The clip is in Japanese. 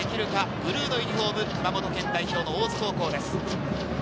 ブルーのユニホーム、熊本県代表の大津高校です。